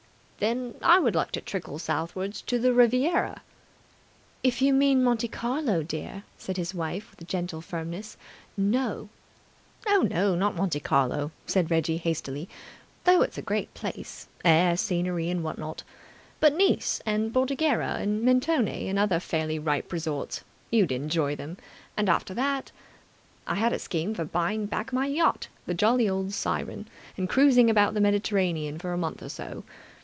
"Then I would like to trickle southwards to the Riviera. .." "If you mean Monte Carlo, dear," said his wife with gentle firmness, "no!" "No, no, not Monte Carlo," said Reggie hastily, "though it's a great place. Air scenery and what not! But Nice and Bordighera and Mentone and other fairly ripe resorts. You'd enjoy them. And after that ... I had a scheme for buying back my yacht, the jolly old Siren, and cruising about the Mediterranean for a month or so.